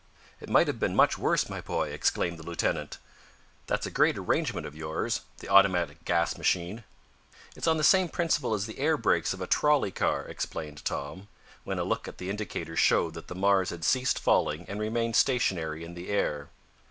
"It might have been much worse, my boy!" exclaimed the lieutenant. "That's a great arrangement of yours the automatic gas machine." "It's on the same principle as the air brakes of a trolley car," explained Tom, when a look at the indicators showed that the Mars had ceased falling and remained stationary in the air.